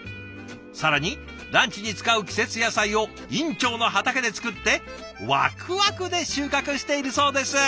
更にランチに使う季節野菜を院長の畑で作ってわくわくで収穫しているそうです。